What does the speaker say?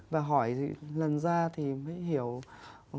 và hỏi thì lần ra thì mới hiểu